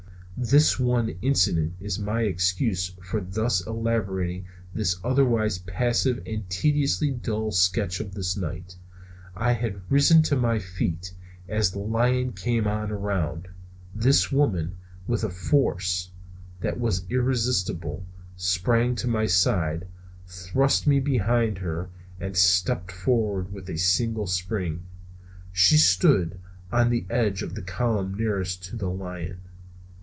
This one incident is my excuse for thus elaborating this otherwise passive and tediously dull sketch of this night. I had risen to my feet, and as the lion came on around, this woman, with a force that was irresistible, sprang to my side, thrust me behind her, and stepping forward with a single spring, she stood on the edge of the column nearest to the lion.